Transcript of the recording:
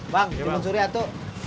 bang jempol suri satu